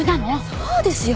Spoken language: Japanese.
そうですよ！